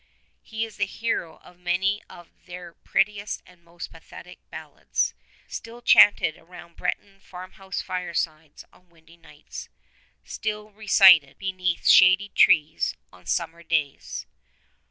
He is the hero of many of their prettiest and most pathetic ballads — still chanted round Bre ton farm house firesides on winter nights, still recited be l. OF C. 99 neath shady trees on summer days.